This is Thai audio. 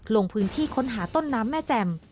ลงพื้นที่ค้นหาต้นน้ำแม่แจ่ม